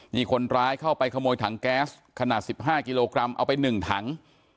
มีคนร้ายเข้าไปขโมยถังแก๊สขนาด๑๕กิโลกรัมเอาไป๑ถัง